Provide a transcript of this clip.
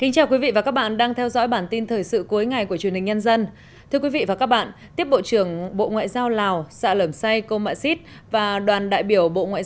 các bạn hãy đăng ký kênh để ủng hộ kênh của chúng mình nhé